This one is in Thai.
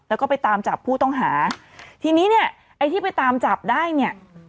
แล้วก็ไปตามจับผู้ต้องหาทีนี้เนี่ยไอ้ที่ไปตามจับได้เนี่ย